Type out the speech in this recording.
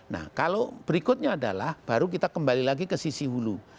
nah kalau berikutnya adalah baru kita kembali lagi ke sisi hulu